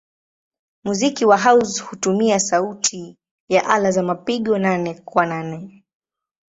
Muziki wa house hutumia sauti ya ala za mapigo nane-kwa-nane.